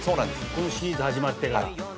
このシリーズ始まってから。